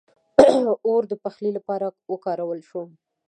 • اور د پخلي لپاره وکارول شو.